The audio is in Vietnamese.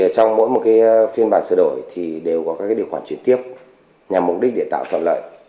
trong mỗi một phiên bản sửa đổi thì đều có các điều khoản chuyển tiếp nhằm mục đích để tạo thuận lợi